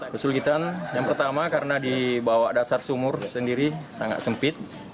kesulitan yang pertama karena di bawah dasar sumur sendiri sangat sempit